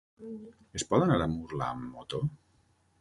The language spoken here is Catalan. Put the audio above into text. Es pot anar a Murla amb moto?